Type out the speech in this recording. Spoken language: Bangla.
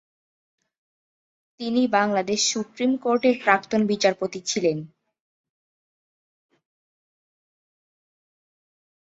তিনি বাংলাদেশ সুপ্রিম কোর্টের প্রাক্তন বিচারপতি ছিলেন।